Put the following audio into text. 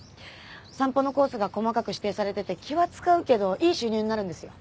散歩のコースが細かく指定されてて気は使うけどいい収入になるんですよ。